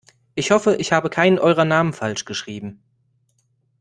Ich hoffe, ich habe keinen eurer Namen falsch geschrieben.